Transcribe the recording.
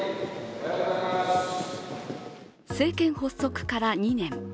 政権発足から２年。